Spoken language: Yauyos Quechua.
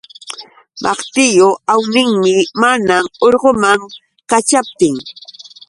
Maqtillu awninmi maman urguman kaćhaptin.